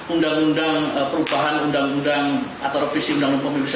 undang undang perubahan undang undang atau revisi undang undang pemilu